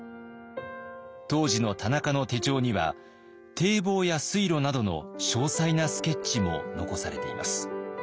当時の田中の手帳には堤防や水路などの詳細なスケッチも残されています。